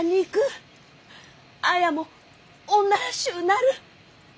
綾も女らしゅうなる！